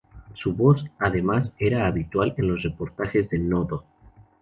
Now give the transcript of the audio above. Su voz, además, era habitual en los reportajes de No-Do.